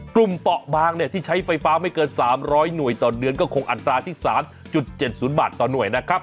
เบาะบางที่ใช้ไฟฟ้าไม่เกิน๓๐๐หน่วยต่อเดือนก็คงอัตราที่๓๗๐บาทต่อหน่วยนะครับ